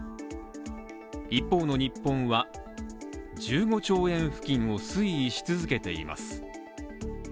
一方の日本は１５兆円付近を推移し続けています。